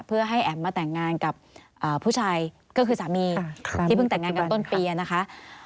เพื่อให้แอ๋มมาแต่งงานกับผู้ชายก็คือสามีที่เพิ่งแต่งงานกันต้นปีนะคะ